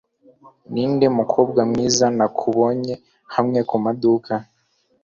Ninde mukobwa mwiza nakubonye hamwe kumaduka